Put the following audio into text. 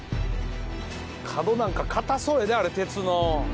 角なんかかたそうやであれ鉄の。